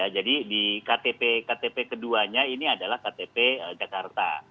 jadi di ktp ktp keduanya ini adalah ktp jakarta